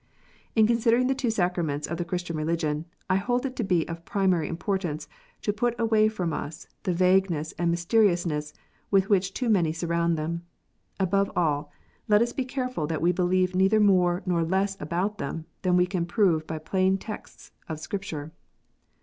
In con sidering the two sacraments of the Christian religion, I hold it to be of primary importance to put away from us the vagueness and mysteriousness with which too many surround them. Above all, let us be careful that we believe neither more nor less about them than we can prove by plain texts of Scripture.